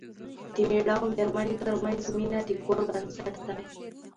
د مېړه او مېرمنې ترمنځ مینه د کور بنسټ دی.